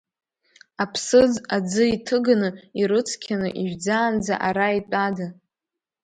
Аԥсыӡ аӡы иҭыганы, ирыцқьаны ижәӡаанӡа ара итәада?